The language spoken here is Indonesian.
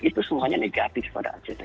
itu semuanya negatif pada act